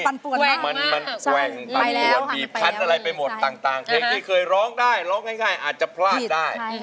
สภาพจิตใจตอนนี้มันแว่งปันป่วนดีบคันอะไรไปหมดต่างคลิกที่เคยร้องได้ร้องง่ายอาจจะพลาดได้